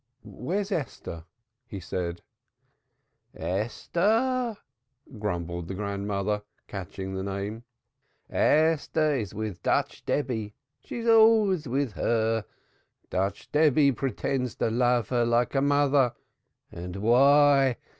"Where's Esther?" he said. "Esther," grumbled the grandmother, catching the name. "Esther is with Dutch Debby. She's always with her. Dutch Debby pretends to love her like a mother and why?